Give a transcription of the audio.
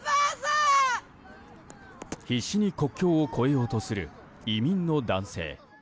必死に国境を越えようとする移民の男性。